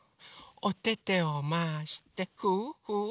おててをまわしてフゥフゥ！